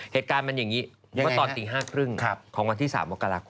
เหตุการณ์มันอย่างนี้เมื่อตอนตี๕๓๐ของวันที่๓มกราคม